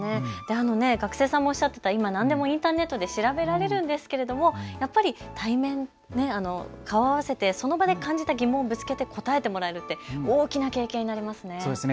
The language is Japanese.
学生さんもおっしゃっていましたが何でもインターネットで調べられるんですが、やっぱり対面で顔を合わせて、その場で感じた疑問をぶつけて答えてもらう、大きな意義がありそうですね。